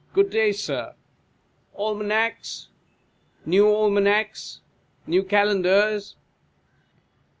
Good day, Sir. — Almanacs ! New Almanacs ! New Calendars